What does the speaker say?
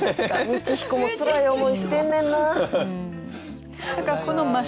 道彦もつらい思いしてんねんな。